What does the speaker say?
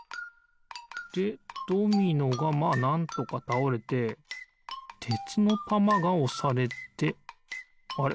でドミノがまあなんとかたおれててつのたまがおされてあれ？